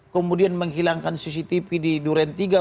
kemudian menghilangkan cctv di durentiga